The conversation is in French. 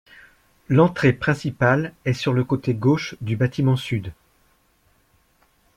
L'entrée principale est sur le côté gauche du bâtiment sud.